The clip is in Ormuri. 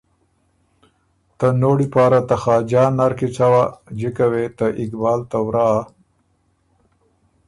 ته نوړی پاره ته خاجان نر کی څوا جِکه وې ته اقبال ته ورا